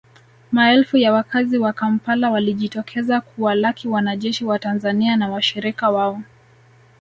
Maelfu ya wakazi wa Kampala walijitokeza kuwalaki wanajeshi wa Tanzania na washirika wao